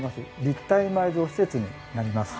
立体埋蔵施設になります。